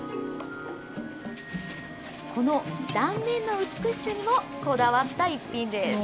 この断面の美しさにもこだわった一品です。